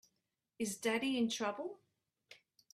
Is Daddy in trouble?